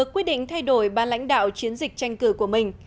quyết định thay đổi ba lãnh đạo chiến dịch tranh cử của mình